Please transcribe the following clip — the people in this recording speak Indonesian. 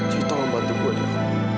jangan tahu bantu gue adil